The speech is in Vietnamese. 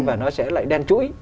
và nó sẽ lại đen chuỗi